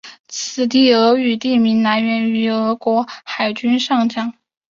此地俄语地名来源俄国海军上将。